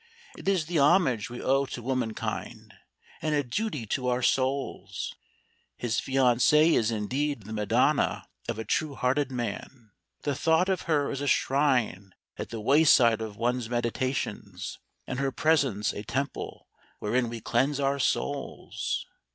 It is the homage we owe to womankind, and a duty to our souls. His fiancée is indeed the Madonna of a true hearted man; the thought of her is a shrine at the wayside of one's meditations, and her presence a temple wherein we cleanse our souls.